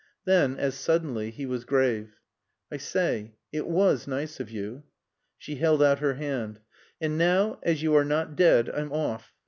Then, as suddenly, he was grave. "I say it was nice of you." She held out her hand. "And now as you're not dead I'm off."